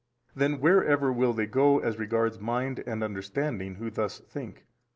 A. Then wherever will they go as regards mind and understanding who thus think?